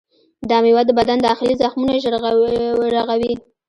دا میوه د بدن داخلي زخمونه ژر رغوي.